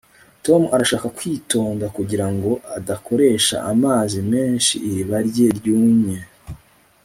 Tom arashaka kwitonda kugirango adakoresha amazi menshi Iriba rye ryumye